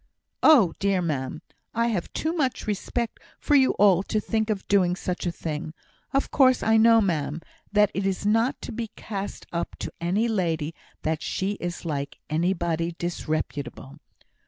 "Oh dear! ma'am, I have too much respect for you all to think of doing such a thing! Of course I know, ma'am, that it is not to be cast up to any lady that she is like anybody disreputable."